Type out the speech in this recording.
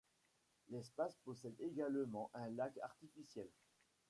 L'espace possède également un lac artificiel.